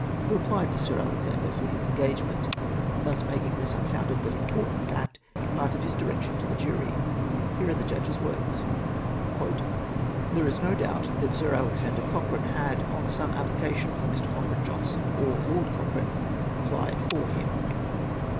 who applied to Sir Alexander for his engagement !— thus making this un founded but important fact part of his direction to the jury. Here are the judge's words :—" There is no doubt that Sir Alexander Cochrane had, on some application from Mr. Cochrane Johnstone, or Lord Cochrane, applied for him."